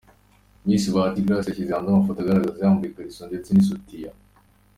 Miss Bahati Grace yashyize hanze amafoto agaragaza yambaye ikariso ndetse n’ isutiya.